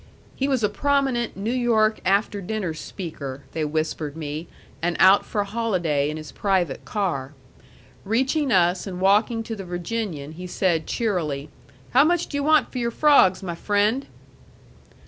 He was a prominent New York after dinner speaker, they whispered me, and out for a holiday in his private car. Reaching us and walking to the Virginian, he said cheerily, "How much do you want for your frogs, my friend?"